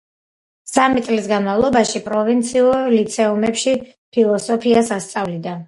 სამი წლის განმავლობაში პროვინციულ ლიცეუმებში ფილოსოფიას ასწავლიდა.